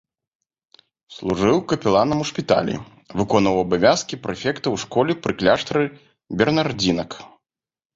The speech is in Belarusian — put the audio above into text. Служыў капеланам у шпіталі, выконваў абавязкі прэфекта ў школе пры кляштары бернардзінак.